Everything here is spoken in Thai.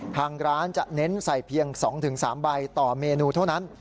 ทางร้านจะเน้นใส่เพียง๒๓ใบต่อเมนูเท่านั้น